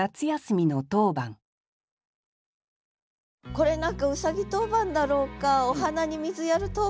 これ何かうさぎ当番だろうかお花に水やる当番だろうか。